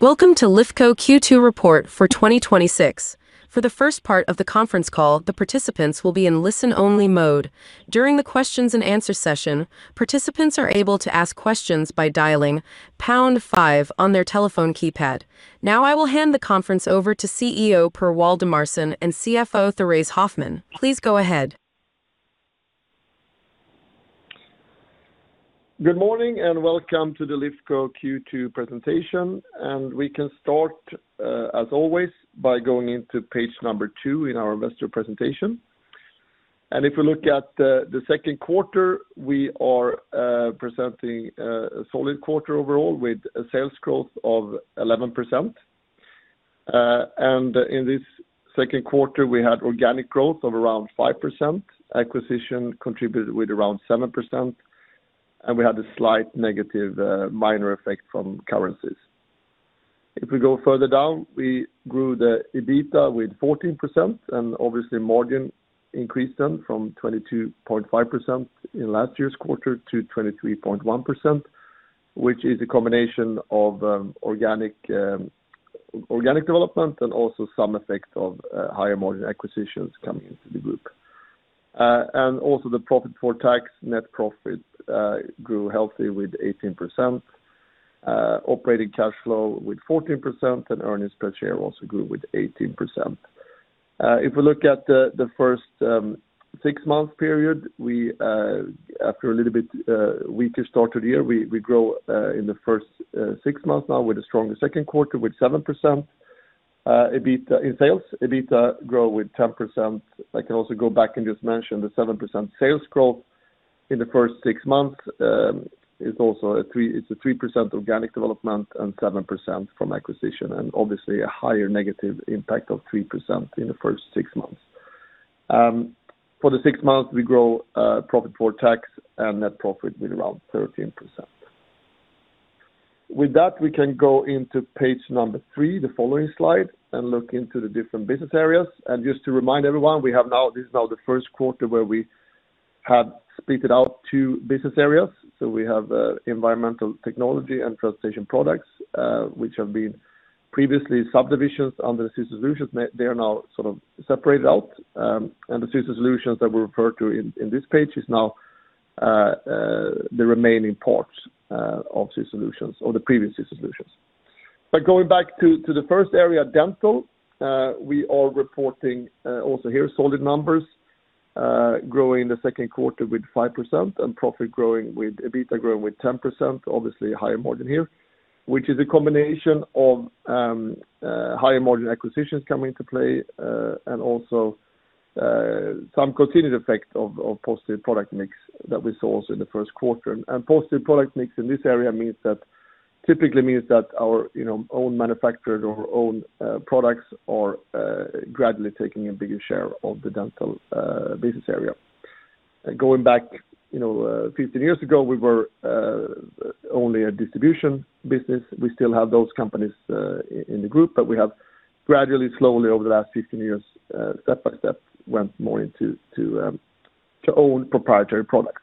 Welcome to Lifco Q2 report for 2026. For the first part of the conference call, the participants will be in listen-only mode. During the questions and answer session, participants are able to ask questions by dialing pound five on their telephone keypad. Now I will hand the conference over to CEO Per Waldemarson and CFO Therése Hoffman. Please go ahead. Good morning and welcome to the Lifco Q2 presentation. We can start, as always, by going into page number two in our investor presentation. If we look at the second quarter, we are presenting a solid quarter overall with a sales growth of 11%. In this second quarter, we had organic growth of around 5%. Acquisition contributed with around 7%, and we had a slight negative minor effect from currencies. If we go further down, we grew the EBITDA with 14% and obviously margin increased then from 22.5% in last year's quarter to 23.1%, which is a combination of organic development and also some effect of higher margin acquisitions coming into the group. The profit for tax, net profit grew healthy with 18%, operating cash flow with 14%, and earnings per share also grew with 18%. If we look at the first six-month period, after a little bit weaker start to the year, we grow in the first six months now with a stronger second quarter with 7% in sales. EBITDA grow with 10%. I can also go back and just mention the 7% sales growth in the first six months. It's a 3% organic development and 7% from acquisition, and obviously a higher negative impact of 3% in the first six months. For the six months, we grow profit for tax and net profit with around 13%. With that, we can go into page number three, the following slide, and look into the different business areas. Just to remind everyone, this is now the first quarter where we have split it out to business areas. We have Environmental Technology and Transportation Products, which have been previously subdivisions under the Systems Solutions. They are now sort of separated out, and the Systems Solutions that we refer to in this page is now the remaining parts of the Systems Solutions or the previous Systems Solutions. Going back to the first area, Dental, we are reporting also here solid numbers, growing in the second quarter with 5% and profit growing with EBITDA growing with 10%, obviously a higher margin here, which is a combination of higher margin acquisitions coming into play and also some continued effect of positive product mix that we saw also in the first quarter. Positive product mix in this area typically means that our own manufactured or own products are gradually taking a bigger share of the Dental business area. Going back 15 years ago, we were only a distribution business. We still have those companies in the group, but we have gradually, slowly over the last 15 years, step by step, went more into own proprietary products.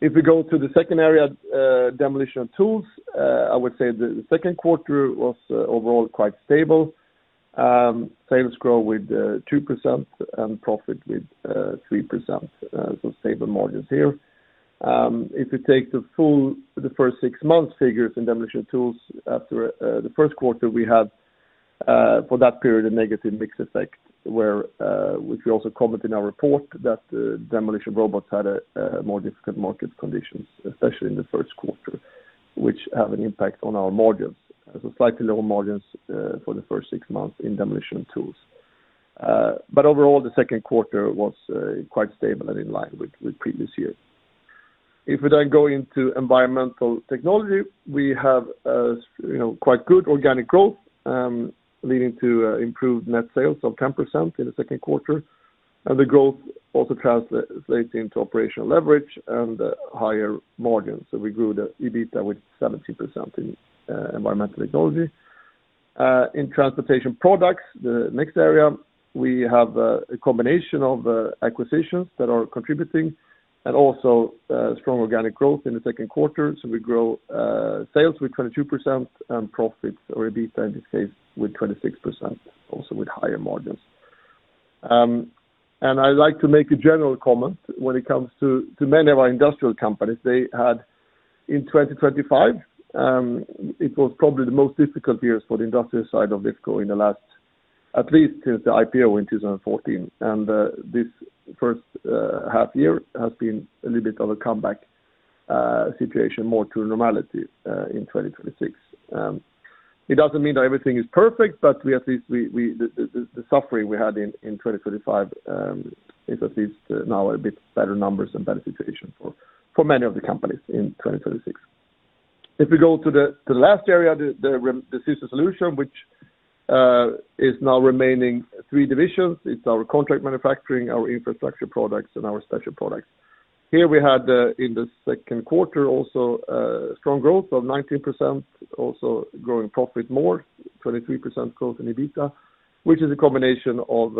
If we go to the second area, Demolition & Tools, I would say the second quarter was overall quite stable. Sales grow with 2% and profit with 3%, stable margins here. If you take the first six months figures in Demolition & Tools after the first quarter, we had for that period a negative mix effect which we also comment in our report that demolition robots had a more difficult market conditions, especially in the first quarter, which have an impact on our margins. Slightly lower margins for the first six months in Demolition & Tools. Overall, the second quarter was quite stable and in line with the previous year. If we then go into Environmental Technology, we have quite good organic growth, leading to improved net sales of 10% in the second quarter. The growth also translates into operational leverage and higher margins. We grew the EBITDA with 17% in Environmental Technology. In Transportation Products, the mixed area, we have a combination of acquisitions that are contributing and also strong organic growth in the second quarter. We grow sales with 22% and profits or EBITDA, in this case, with 26%, also with higher margins. I'd like to make a general comment. When it comes to many of our industrial companies, they had in 2025, it was probably the most difficult years for the industrial side of Lifco, at least since the IPO in 2014. This first half year has been a little bit of a comeback situation more to normality, in 2026. It doesn't mean that everything is perfect, but at least the suffering we had in 2025 is at least now a bit better numbers and better situation for many of the companies in 2026. If we go to the last area, the Systems Solutions, which is now remaining three divisions. It's our contract manufacturing, our Infrastructure Products, and our Special Products. Here we had in the second quarter also strong growth of 19%, also growing profit more, 23% growth in EBITDA, which is a combination of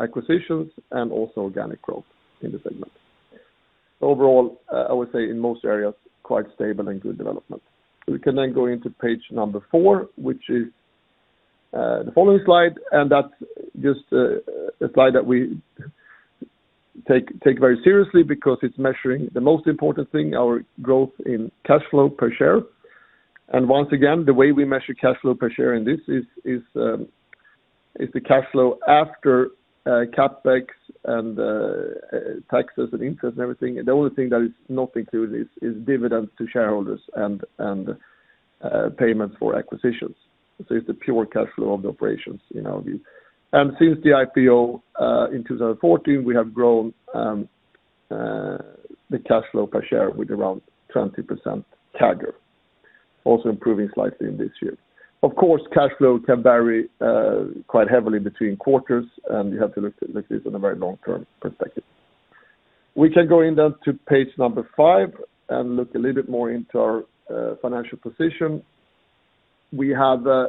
acquisitions and also organic growth in the segment. Overall, I would say in most areas, quite stable and good development. We can then go into page number four, which is the following slide, that's just a slide that we take very seriously because it's measuring the most important thing, our growth in cash flow per share. Once again, the way we measure cash flow per share in this is the cash flow after CapEx and taxes and interest and everything. The only thing that is not included is dividends to shareholders and payments for acquisitions. It's the pure cash flow of the operations in our view. Since the IPO in 2014, we have grown the cash flow per share with around 20% CAGR, also improving slightly in this year. Of course, cash flow can vary quite heavily between quarters, and you have to look at this in a very long-term perspective. We can go in then to page number five and look a little bit more into our financial position. We have a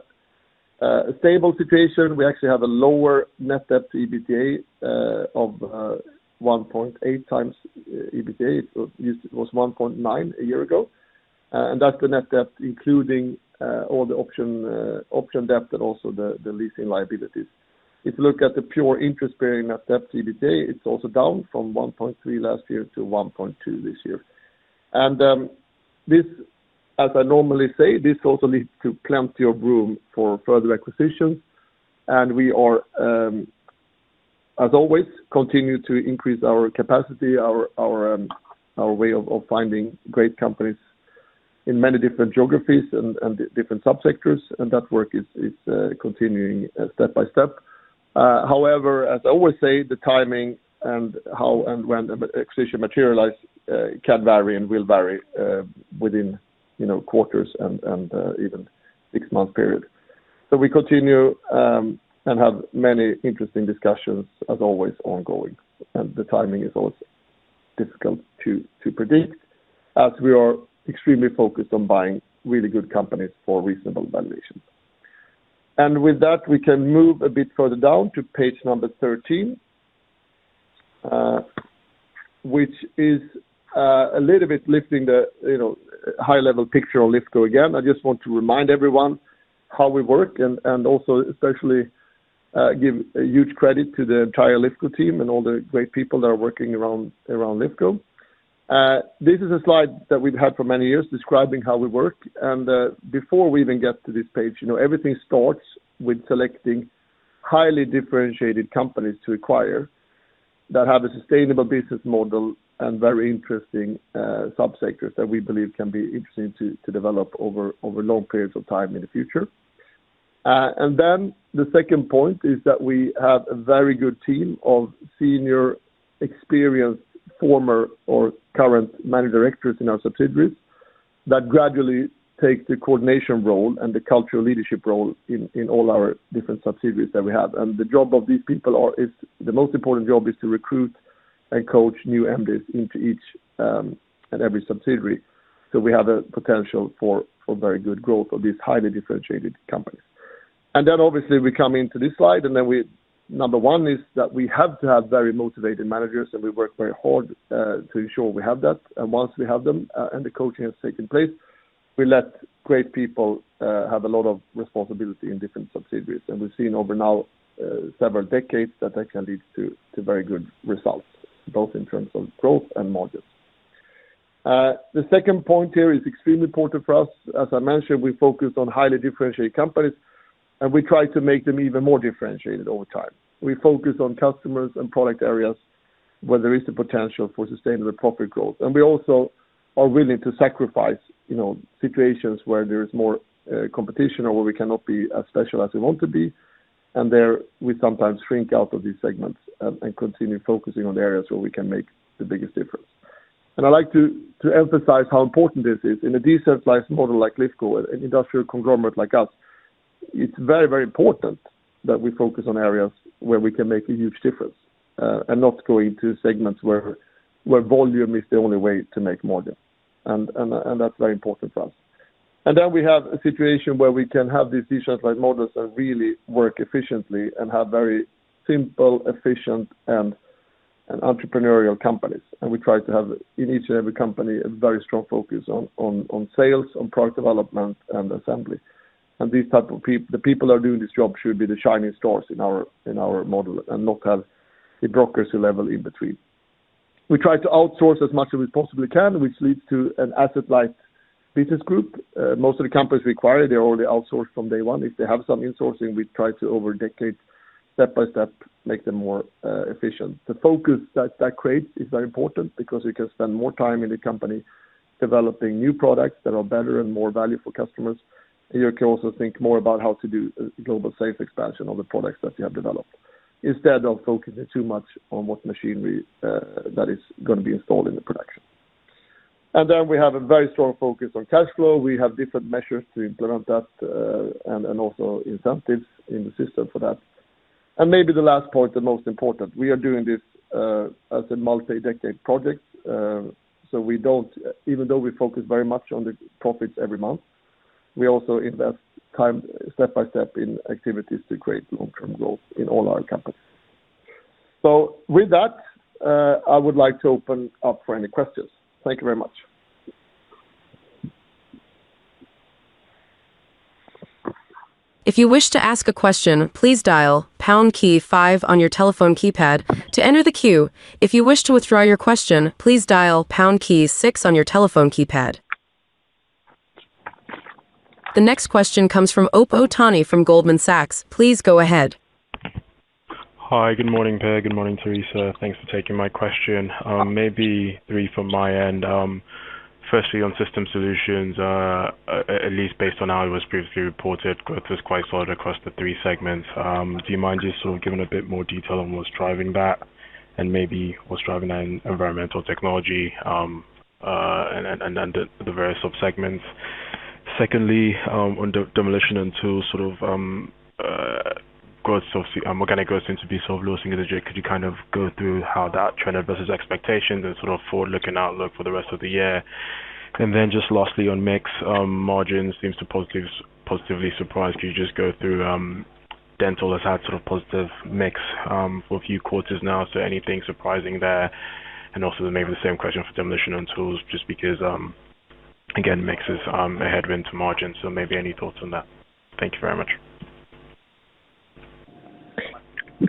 stable situation. We actually have a lower net debt to EBITDA of 1.8x EBITDA. It was 1.9x a year ago. That's the net debt including all the option debt and also the leasing liabilities. If you look at the pure interest bearing net debt EBITDA, it's also down from 1.3 last year to 1.2 this year. As I normally say, this also leads to plenty of room for further acquisitions, and we are, as always, continue to increase our capacity, our way of finding great companies in many different geographies and different subsectors, and that work is continuing step by step. However, as I always say, the timing and how and when the acquisition materialize can vary and will vary within quarters and even six-month period. We continue and have many interesting discussions as always ongoing. The timing is always difficult to predict as we are extremely focused on buying really good companies for reasonable valuations. With that, we can move a bit further down to page number 13, which is a little bit lifting the high-level picture of Lifco again. I just want to remind everyone how we work and also especially give a huge credit to the entire Lifco team and all the great people that are working around Lifco. This is a slide that we've had for many years describing how we work. Before we even get to this page, everything starts with selecting highly differentiated companies to acquire that have a sustainable business model and very interesting subsectors that we believe can be interesting to develop over long periods of time in the future. The second point is that we have a very good team of senior experienced former or current managing directors in our subsidiaries that gradually take the coordination role and the cultural leadership role in all our different subsidiaries that we have. The job of these people, the most important job is to recruit and coach new MDs into each and every subsidiary so we have a potential for very good growth of these highly differentiated companies. Obviously we come into this slide. Number one is that we have to have very motivated managers and we work very hard to ensure we have that. Once we have them and the coaching has taken place, we let great people have a lot of responsibility in different subsidiaries. We've seen over now several decades that that can lead to very good results, both in terms of growth and margins. The second point here is extremely important for us. As I mentioned, we focus on highly differentiated companies, and we try to make them even more differentiated over time. We focus on customers and product areas where there is the potential for sustainable profit growth. We also are willing to sacrifice situations where there is more competition or where we cannot be as special as we want to be. There, we sometimes shrink out of these segments and continue focusing on areas where we can make the biggest difference. I like to emphasize how important this is. In a decentralized model like Lifco, an industrial conglomerate like us, it's very important that we focus on areas where we can make a huge difference, not go into segments where volume is the only way to make margin. That's very important for us. We have a situation where we can have these decentralized models that really work efficiently and have very simple, efficient, and entrepreneurial companies. We try to have in each and every company, a very strong focus on sales, on product development and assembly. The people who are doing this job should be the shining stars in our model and not have a brokers level in between. We try to outsource as much as we possibly can, which leads to an asset-light business group. Most of the companies we acquire, they're already outsourced from day one. If they have some outsourcing, we try to over decades, step by step, make them more efficient. The focus that creates is very important because we can spend more time in the company developing new products that are better and more value for customers. Here, we can also think more about how to do global sales expansion of the products that we have developed instead of focusing too much on what machinery that is going to be installed in the production. We have a very strong focus on cash flow. We have different measures to implement that and also incentives in the system for that. Maybe the last point, the most important, we are doing this as a multi-decade project. Even though we focus very much on the profits every month. We also invest time step by step in activities to create long-term growth in all our companies. With that, I would like to open up for any questions. Thank you very much. If you wish to ask a question, please dial pound key five on your telephone keypad to enter the queue. If you wish to withdraw your question, please dial pound key six on your telephone keypad. The next question comes from Ope Otaniyi from Goldman Sachs. Please go ahead. Hi, good morning, Per. Good morning, Therése. Thanks for taking my question. Maybe three from my end. Firstly, on Systems Solutions, at least based on how it was previously reported, growth was quite solid across the three segments. Do you mind just sort of giving a bit more detail on what's driving that, and maybe what's driving that in Environmental Technology, and then the various subsegments? Secondly, on Demolition & Tools, organic growth seems to be sort of losing energy. Could you kind of go through how that trended versus expectations and sort of forward-looking outlook for the rest of the year? Lastly, on mix margins seems to positively surprise. Could you just go through, Dental has had sort of positive mix for a few quarters now, so anything surprising there? Also maybe the same question for Demolition & Tools, just because, again, mix is a headwind to margin, so maybe any thoughts on that. Thank you very much.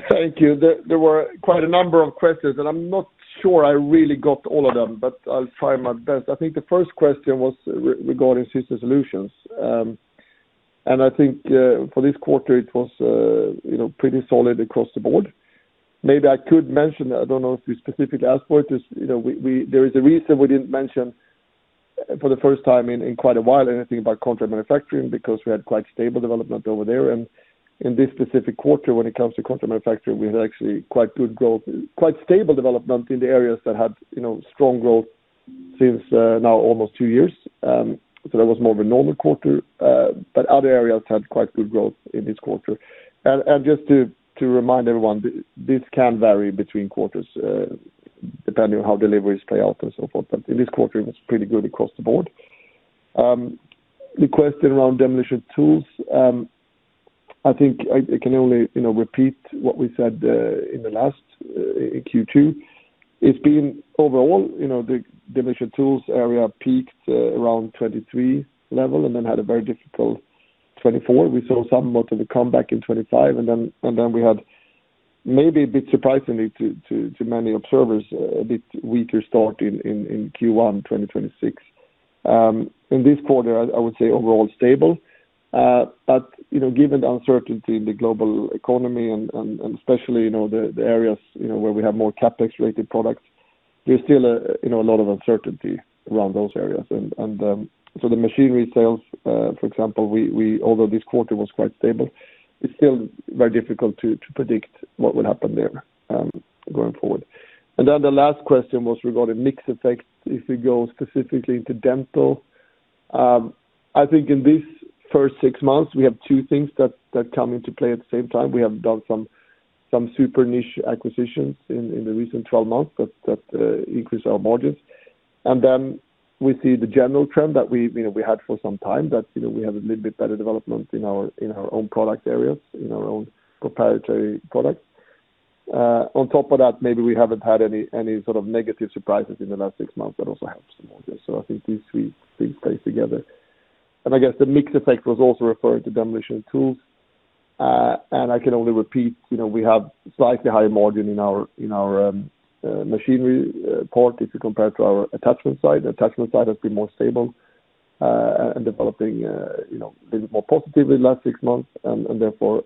Thank you. There were quite a number of questions. I'm not sure I really got all of them, but I'll try my best. I think the first question was regarding Systems Solutions. I think, for this quarter, it was pretty solid across the board. Maybe I could mention, I don't know if you specifically asked for it, there is a reason we didn't mention for the first time in quite a while anything about contract manufacturing, because we had quite stable development over there. In this specific quarter, when it comes to contract manufacturing, we had actually quite good growth, quite stable development in the areas that had strong growth since now almost two years. That was more of a normal quarter. Other areas had quite good growth in this quarter. Just to remind everyone, this can vary between quarters, depending on how deliveries play out and so forth. In this quarter, it was pretty good across the board. The question around Demolition & Tools, I think I can only repeat what we said in the last, in Q2. It's been overall, the Demolition & Tools area peaked around 2023 level and then had a very difficult 2024. We saw somewhat of a comeback in 2025. Then we had, maybe a bit surprisingly to many observers, a bit weaker start in Q1 2026. In this quarter, I would say overall stable. Given the uncertainty in the global economy and especially the areas where we have more CapEx-related products, there's still a lot of uncertainty around those areas. The machinery sales, for example, although this quarter was quite stable, it is still very difficult to predict what would happen there going forward. The last question was regarding mix effects. If we go specifically into Dental, I think in this first six months, we have two things that come into play at the same time. We have done some super niche acquisitions in the recent 12 months that increase our margins. We see the general trend that we had for some time that we have a little bit better development in our own product areas, in our own proprietary products. On top of that, maybe we haven't had any sort of negative surprises in the last six months that also helps the margins. I think these three things play together. I guess the mix effect was also referring to Demolition Tools. I can only repeat, we have slightly higher margin in our machinery part if you compare to our attachment side. The attachment side has been more stable, developing a little more positively the last six months. Therefore,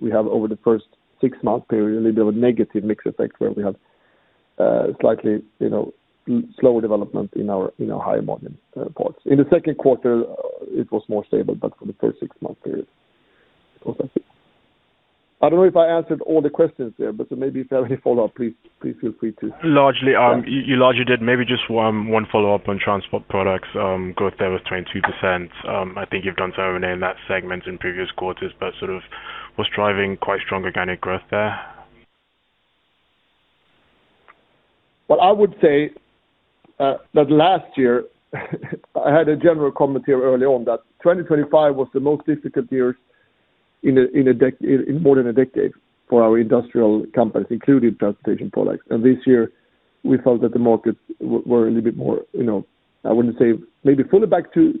we have over the first six-month period, a little bit of a negative mix effect where we have slightly slower development in our higher margin parts. In the second quarter, it was more stable, but for the first six-month period. I don't know if I answered all the questions there, but maybe if you have any follow-up, please feel free to- Largely. You largely did. Maybe just one follow-up on Transport Products. Growth there was 22%. I think you've done so over in that segment in previous quarters, but sort of what's driving quite strong organic growth there? Well, I would say that last year, I had a general comment here early on that 2025 was the most difficult year in more than a decade for our industrial companies, including Transportation Products. This year, we felt that the markets were a little bit more, I wouldn't say maybe fully back to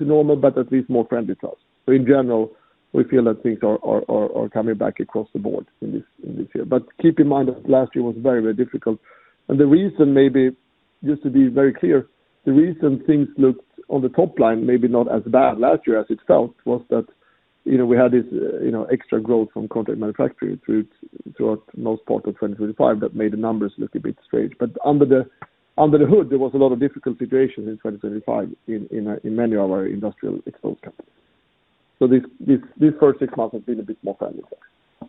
normal, but at least more friendly to us. In general, we feel that things are coming back across the board in this year. Keep in mind that last year was very difficult. The reason maybe, just to be very clear, the reason things looked on the top line, maybe not as bad last year as it felt, was that we had this extra growth from contract manufacturing throughout most part of 2025 that made the numbers look a bit strange. Under the hood, there was a lot of difficult situations in 2025 in many of our industrial exposed companies. This first six months has been a bit more friendly for us.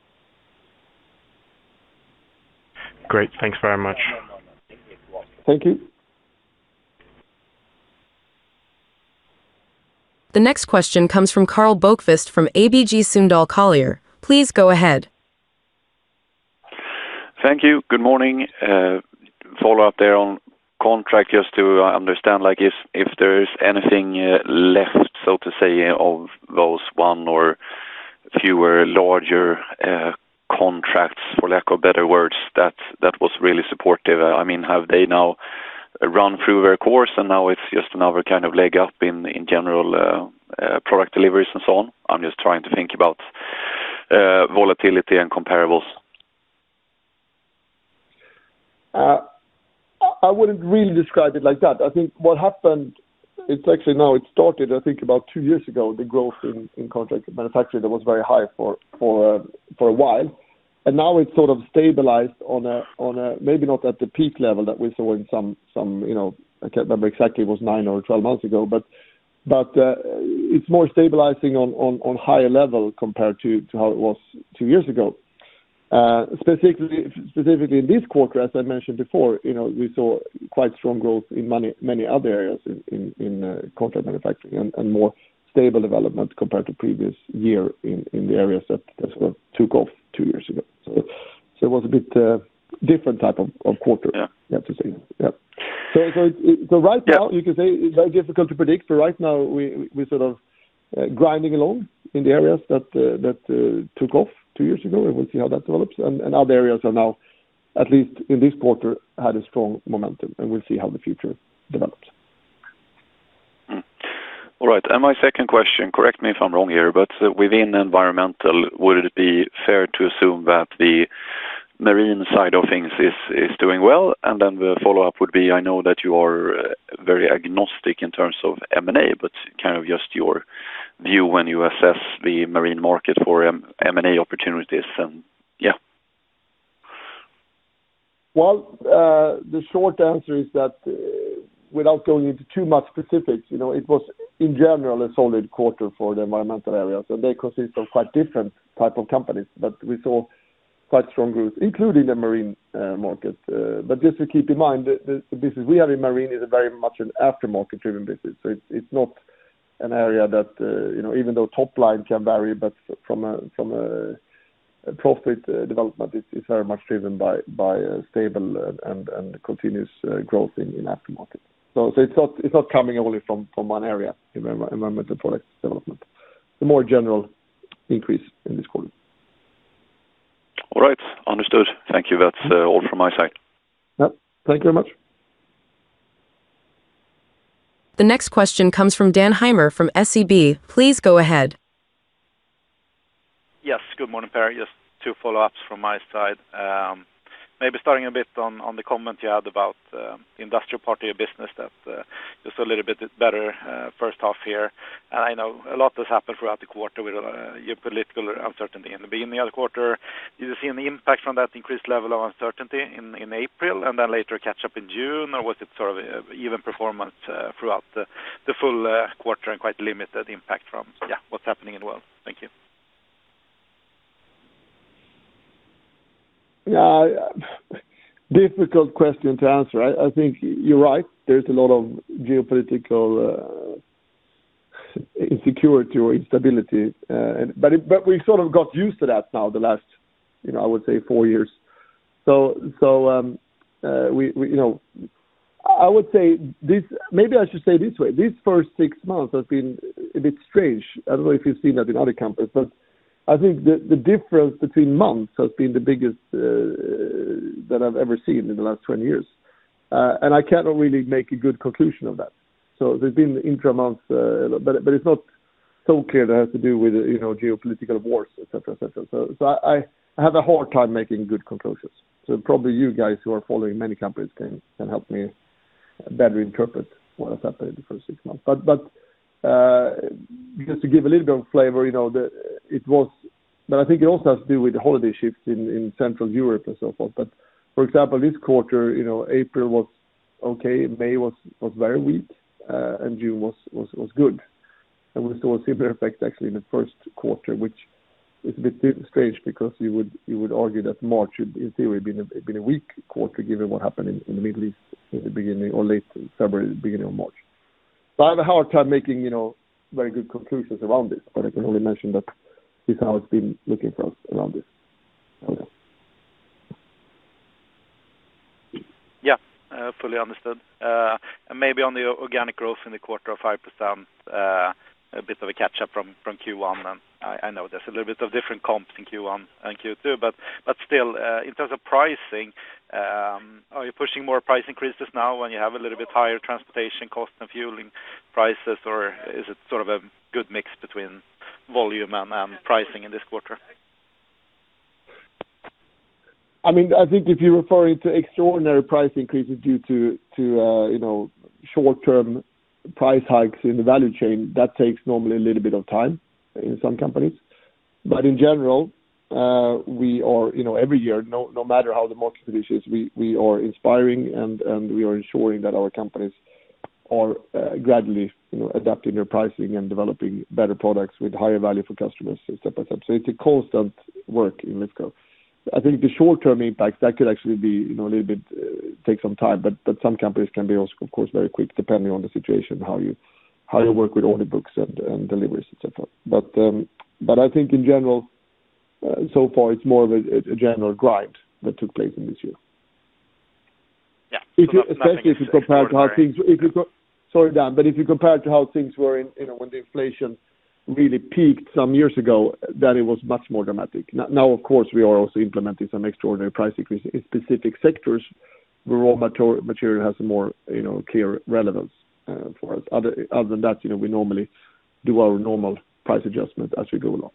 Great. Thanks very much. Thank you. The next question comes from Karl Bokvist from ABG Sundal Collier. Please go ahead. Thank you. Good morning. Follow up there on contract, just to understand if there is anything left, so to say, of those one or fewer larger contracts, for lack of better words, that was really supportive. Have they now run through their course and now it's just another kind of leg up in general product deliveries and so on? I'm just trying to think about volatility and comparables. I wouldn't really describe it like that. I think what happened, it started, I think about two years ago, the growth in contract manufacturing that was very high for a while, and now it's sort of stabilized, maybe not at the peak level that we saw in some, I can't remember exactly, it was nine or 12 months ago. It's more stabilizing on higher level compared to how it was two years ago. Specifically in this quarter, as I mentioned before, we saw quite strong growth in many other areas in contract manufacturing and more stable development compared to previous year in the areas that took off two years ago. It was a bit different type of quarter. Yeah. I have to say. Yep. Right now, you can say it's very difficult to predict. Right now, we're sort of grinding along in the areas that took off two years ago, and we'll see how that develops. Other areas are now, at least in this quarter, had a strong momentum, and we'll see how the future develops. All right. My second question, correct me if I'm wrong here, within environmental, would it be fair to assume that the marine side of things is doing well? Then the follow-up would be, I know that you are very agnostic in terms of M&A, but just your view when you assess the marine market for M&A opportunities, and yeah. Well, the short answer is that, without going into too much specifics, it was in general, a solid quarter for the environmental areas. They consist of quite different type of companies. We saw quite strong growth, including the marine market. Just to keep in mind, the business we are in marine is a very much an aftermarket driven business. It's not an area that, even though top line can vary, from a profit development is very much driven by a stable and continuous growth in aftermarket. It's not coming only from one area, environmental product development. A more general increase in this quarter. All right. Understood. Thank you. That's all from my side. Yep. Thank you very much. The next question comes from Dan Heimer, from SEB. Please go ahead. Yes. Good morning, Per. Just two follow-ups from my side. Maybe starting a bit on the comment you had about the industrial part of your business that, just a little bit better first half here. I know a lot has happened throughout the quarter with geopolitical uncertainty and the beginning of the quarter. Do you see any impact from that increased level of uncertainty in April, and then later catch up in June? Or was it sort of even performance throughout the full quarter and quite limited impact from, yeah, what's happening in the world? Thank you. Yeah. Difficult question to answer. I think you're right. There's a lot of geopolitical insecurity or instability. But we've sort of got used to that now the last, I would say four years. Maybe I should say this way. These first six months have been a bit strange. I don't know if you've seen that in other companies, but I think the difference between months has been the biggest that I've ever seen in the last 20 years. And I cannot really make a good conclusion of that. So there's been intra-months, but it's not so clear that it has to do with geopolitical wars, et cetera. So I have a hard time making good conclusions. So probably you guys who are following many companies can help me better interpret what has happened in the first six months. Just to give a little bit of flavor, but I think it also has to do with the holiday shifts in Central Europe and so forth. But for example, this quarter, April was okay, May was very weak, and June was good. And we saw a similar effect actually in the first quarter, which is a bit strange because you would argue that March would in theory, have been a weak quarter, given what happened in the Middle East in the beginning, or late February, the beginning of March. So I have a hard time making very good conclusions around it, but I can only mention that this is how it's been looking for us around this. Yeah. Fully understood. Maybe on the organic growth in the quarter of 5%, a bit of a catch-up from Q1. I know there's a little bit of different comps in Q1 and Q2, but still, in terms of pricing, are you pushing more price increases now when you have a little bit higher transportation cost and fueling prices, or is it sort of a good mix between volume and pricing in this quarter? I think if you're referring to extraordinary price increases due to short-term price hikes in the value chain, that takes normally a little bit of time in some companies. In general, every year, no matter how the market condition is, we are inspiring and we are ensuring that our companies are gradually adapting their pricing and developing better products with higher value for customers, and step by step. It's a constant work in Lifco. I think the short-term impacts, that could actually take some time, some companies can be also, of course, very quick depending on the situation, how you work with order books and deliveries, et cetera. I think in general, so far it's more of a general grind that took place in this year. Yeah. Nothing- Especially if you compare to. Sorry, Dan, if you compare it to how things were when the inflation really peaked some years ago, it was much more dramatic. Of course, we are also implementing some extraordinary price increase in specific sectors where raw material has a more clear relevance for us. Other than that, we normally do our normal price adjustment as we go along.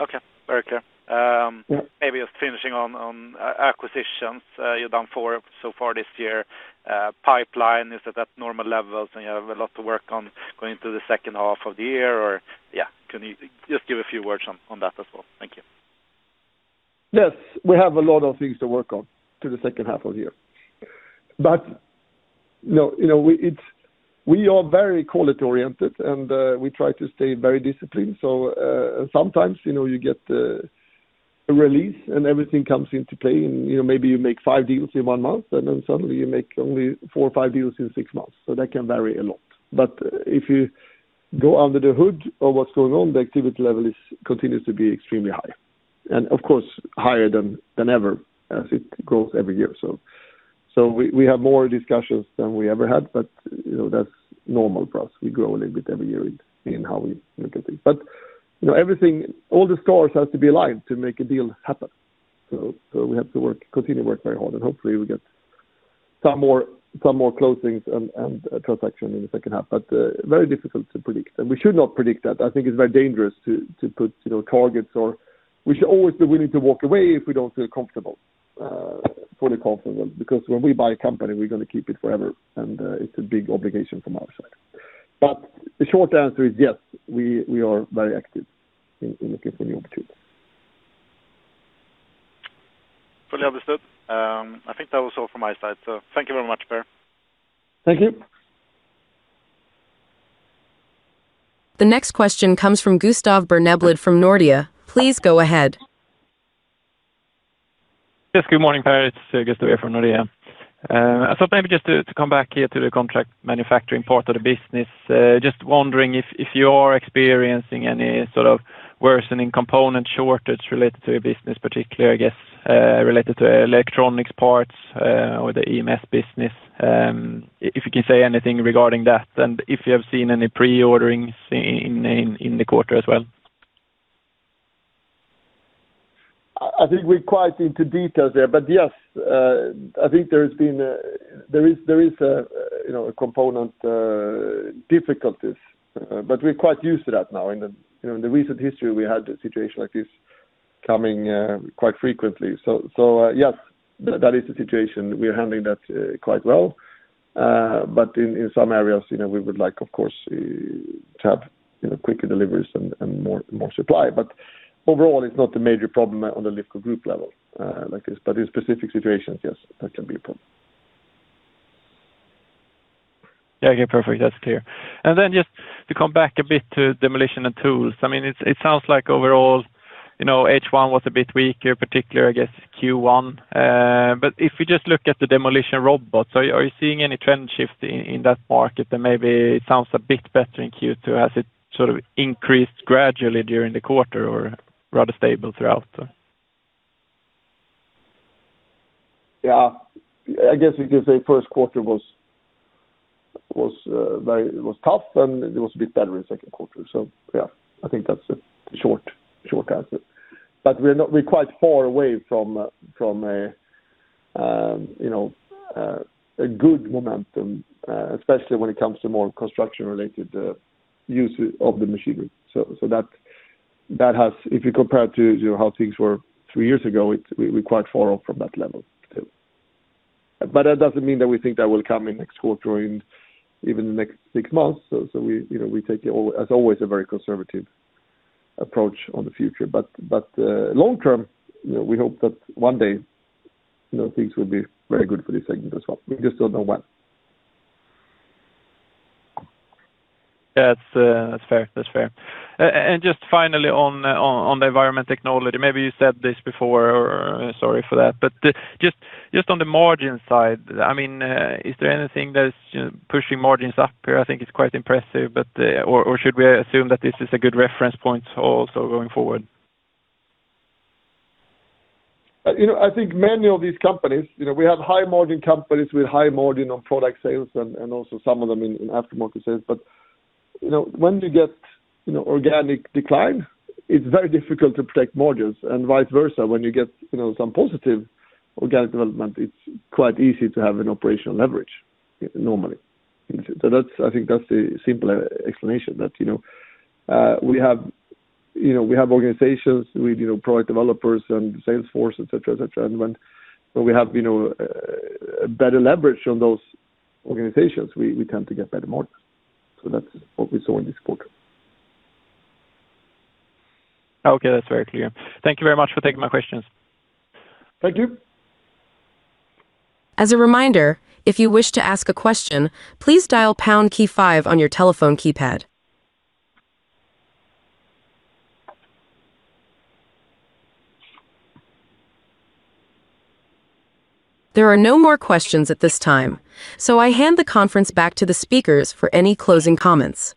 Okay. Very clear. Yeah. Maybe just finishing on acquisitions. You're down four so far this year. Pipeline is at that normal levels. You have a lot to work on going to the second half of the year. Can you just give a few words on that as well? Thank you. Yes, we have a lot of things to work on to the second half of the year. We are very quality oriented, and we try to stay very disciplined. Sometimes you get a release and everything comes into play and maybe you make five deals in one month, then suddenly you make only four or five deals in six months. That can vary a lot. If you go under the hood of what's going on, the activity level continues to be extremely high. Of course, higher than ever as it grows every year. We have more discussions than we ever had, but that's normal for us. We grow a little bit every year in how we look at things. All the stars has to be aligned to make a deal happen. We have to continue to work very hard, and hopefully we get some more closings and transaction in the second half. Very difficult to predict, and we should not predict that. I think it's very dangerous to put targets or we should always be willing to walk away if we don't feel comfortable, fully confident, because when we buy a company, we're going to keep it forever, and it's a big obligation from our side. The short answer is yes, we are very active in looking for new opportunities. Fully understood. I think that was all from my side. Thank you very much, Per. Thank you. The next question comes from Gustav Berneblad from Nordea. Please go ahead. Good morning, Per. It's Gustav here from Nordea. Please go ahead. I thought maybe just to come back here to the contract manufacturing part of the business. Just wondering if you are experiencing any sort of worsening component shortage related to your business, particularly, I guess, related to electronics parts, or the EMS business, if you can say anything regarding that and if you have seen any pre-orderings in the quarter as well. I think we're quite into details there. Yes, I think there is a component difficulties. We're quite used to that now. In the recent history, we had a situation like this coming quite frequently. Yes, that is the situation. We are handling that quite well. In some areas, we would like, of course, to have quicker deliveries and more supply. Overall, it's not a major problem on the Lifco group level, like I said. In specific situations, yes, that can be a problem. Yeah, okay. Perfect. That's clear. Just to come back a bit to Demolition & Tools. It sounds like overall, H1 was a bit weaker, particularly, I guess, Q1. If you just look at the demolition robots, are you seeing any trend shift in that market? Maybe it sounds a bit better in Q2. Has it sort of increased gradually during the quarter or rather stable throughout? Yeah. I guess you could say first quarter was tough, and it was a bit better in second quarter. Yeah, I think that's the short answer. We're quite far away from a good momentum, especially when it comes to more construction related use of the machinery. If you compare it to how things were three years ago, we're quite far off from that level, too. That doesn't mean that we think that will come in next quarter, in even the next six months. We take, as always, a very conservative approach on the future. Long term, we hope that one day things will be very good for this segment as well. We just don't know when. That's fair. Just finally on the Environmental Technology, maybe you said this before or sorry for that, just on the margin side, is there anything that's pushing margins up here? I think it's quite impressive, or should we assume that this is a good reference point also going forward? I think many of these companies, we have high margin companies with high margin on product sales and also some of them in aftermarket sales. When you get organic decline, it's very difficult to protect margins, and vice versa, when you get some positive organic development, it's quite easy to have an operational leverage normally. I think that's the simple explanation. That we have organizations with product developers and sales force, et cetera. We have better leverage on those organizations. We tend to get better margins. That's what we saw in this quarter. Okay. That's very clear. Thank you very much for taking my questions. Thank you. As a reminder, if you wish to ask a question, please dial pound key five on your telephone keypad. There are no more questions at this time. I hand the conference back to the speakers for any closing comments.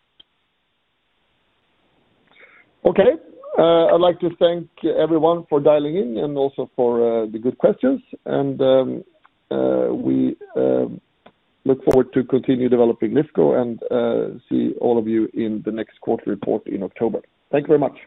Okay. I'd like to thank everyone for dialing in and also for the good questions. We look forward to continue developing Lifco and see all of you in the next quarter report in October. Thank you very much.